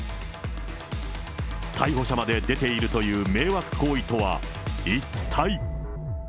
逮捕者まで出ているという迷惑行為とは一体。